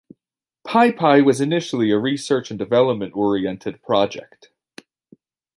PyPy was initially a research and development-oriented project.